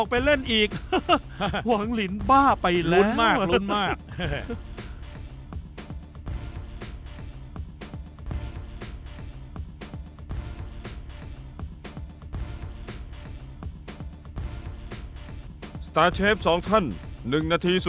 ผมดุคุณเสมอหรือว่าตินู่นนี่